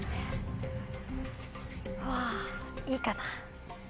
うわぁいいかな。